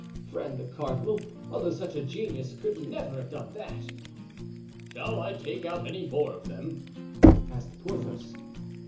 friend, the cardinal, although such a genius, could never have done that." "Shall I take out any more of them?" asked Porthos.